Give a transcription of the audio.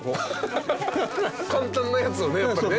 簡単なやつをねやっぱね。